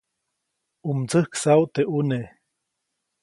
ʼU mtsäjksaʼu teʼ ʼuneʼ.